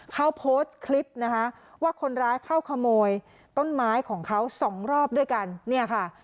เขาโพสต์คลิปนะคะว่าคนร้ายเข้าขโมยต้นไม้ของเขาสองรอบด้วยกันเนี่ยค่ะ